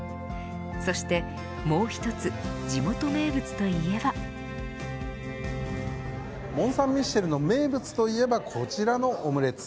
そしてもう一つ地元名物といえばモンサンミシェルの名物といえばこちらのオムレツ。